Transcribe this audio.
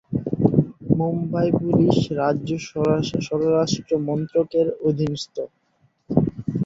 Mumbai police রাজ্য স্বরাষ্ট্র মন্ত্রকের অধীনস্থ।